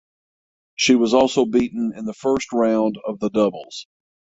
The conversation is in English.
She was also beaten in the first round of the doubles.